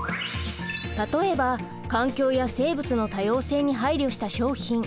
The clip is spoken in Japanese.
例えば環境や生物の多様性に配慮した商品。